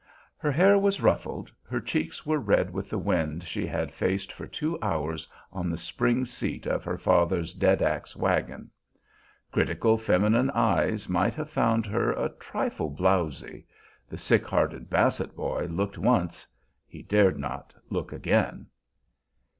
Her hair was ruffled, her cheeks were red, with the wind she had faced for two hours on the spring seat of her father's "dead axe" wagon. Critical feminine eyes might have found her a trifle blowzy; the sick hearted Basset boy looked once, he dared not look again.